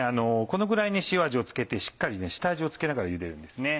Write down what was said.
このぐらい塩味を付けてしっかり下味を付けながらゆでるんですね。